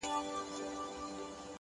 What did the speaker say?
ټول ژوند د غُلامانو په رکم نیسې